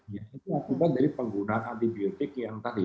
itu berubah dari penggunaan antibiotik yang tadi